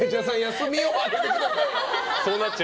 休みをあげてください。